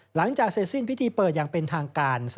หลังจากเสร็จสิ้นพิธีเปิดอย่างเป็นทางการ